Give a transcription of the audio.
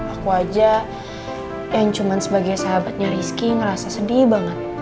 aku aja yang cuma sebagai sahabatnya rizky ngerasa sedih banget